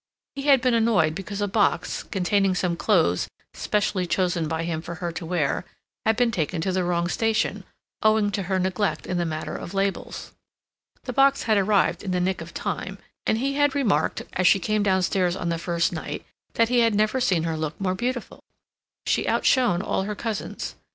He had been annoyed because a box, containing some clothes specially chosen by him for her to wear, had been taken to the wrong station, owing to her neglect in the matter of labels. The box had arrived in the nick of time, and he had remarked, as she came downstairs on the first night, that he had never seen her look more beautiful. She outshone all her cousins.